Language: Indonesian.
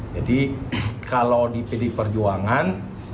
jadi kalau di pdi perjuangan